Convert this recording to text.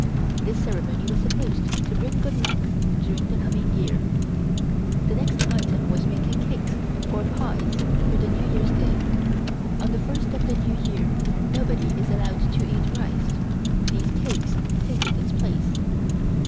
This ceremony was supposed to bring good luck during the coming year. The next item was making cakes or pies for New Year's day. On the first of the New Year, nobody is allowed to eat rice, these cakes taking its place.